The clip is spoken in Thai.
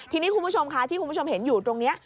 ทีนี้คุณผู้ชมค่ะที่คุณผู้ชมเห็นอยู่ตรงนี้